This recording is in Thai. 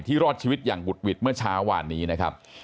รอดชีวิตอย่างหุดหวิดเมื่อเช้าวานนี้นะครับ